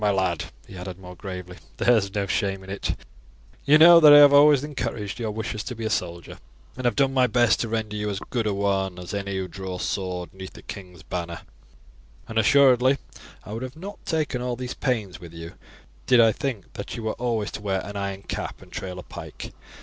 My lad," he added more gravely, "there is no shame in it; you know that I have always encouraged your wishes to be a soldier, and have done my best to render you as good a one as any who draws sword 'neath the king's banner, and assuredly I would not have taken all these pains with you did I think that you were always to wear an iron cap and trail a pike.